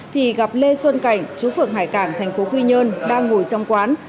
thì gặp lê xuân cảnh chú phượng hải cảng thành phố quy nhơn đang ngồi trong quán